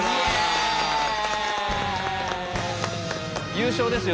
優勝ですよ